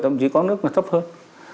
tậm chí có nước là thấp hơn